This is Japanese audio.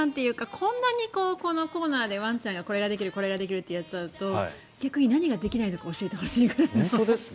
こんなにこのコーナーでワンちゃんがこれができる、これができるってやっちゃうと逆に何ができないのか教えてほしいくらい。